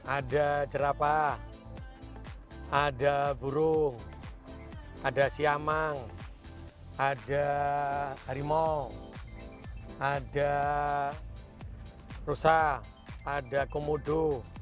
ada jerapah ada burung ada siamang ada harimau ada rusa ada komodo